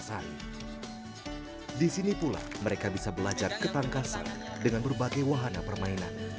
sari di sini pula mereka bisa belajar ketangkasan dengan berbagai wahana permainan